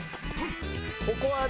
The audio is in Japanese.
ここはね